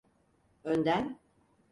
Önden…